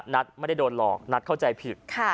นัทไม่ได้โดนหลอกนัทเข้าใจผิด